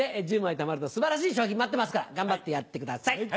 １０枚たまると、すばらしい賞品待ってますから、頑張ってやってください。